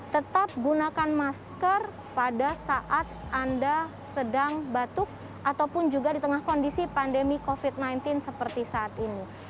tetap gunakan masker pada saat anda sedang batuk ataupun juga di tengah kondisi pandemi covid sembilan belas seperti saat ini